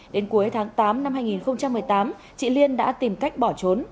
đến cuối tháng tám năm hai nghìn một mươi tám chị liên đã tìm cách bỏ trốn